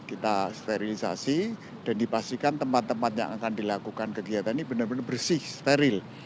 kita sterilisasi dan dipastikan tempat tempat yang akan dilakukan kegiatan ini benar benar bersih steril